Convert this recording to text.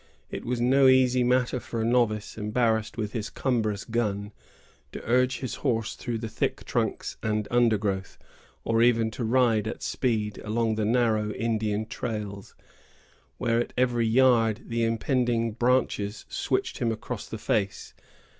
It was no easy matter for a novice, embarrassed with his cumbrous gun, to urge his horse through the thick trunks and undergrowth, or even to ride at speed along the narrow Indian trails, where at every yard the impending branches switched him across the face.